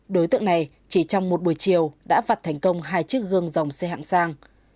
đối tượng này chỉ trong một buổi chiều đã vặt thành công hai chiếc gương dòng xe hạng sang